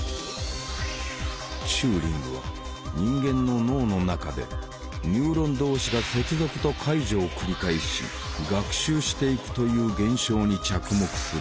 チューリングは人間の脳の中でニューロン同士が接続と解除を繰り返し学習していくという現象に着目する。